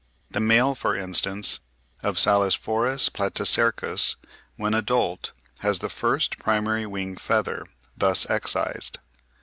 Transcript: The male, for instance, of Selasphorus platycercus, when adult, has the first primary wing feather (Fig. 44), thus excised.